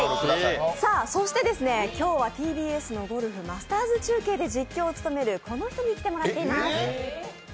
そして、今日はＴＢＳのゴルフマスターズ中継で実況を務めるこの人に来てもらっています。